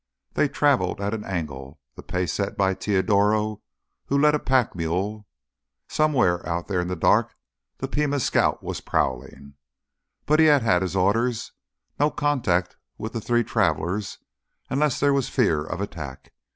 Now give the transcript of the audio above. They traveled at an angle, the pace set by Teodoro who led a pack mule. Somewhere out there in the dark the Pima Scout was prowling. But he had had his orders: no contact with the three travelers unless there was fear of attack.